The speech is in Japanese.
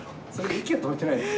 息は止めてないです。